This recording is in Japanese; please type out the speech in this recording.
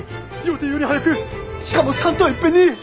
予定より早くしかも３頭いっぺんに！